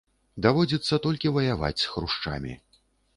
Даводзіцца толькі ваяваць з хрушчамі.